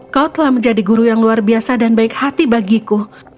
kau telah menjadi guru yang luar biasa dan baik hati bagiku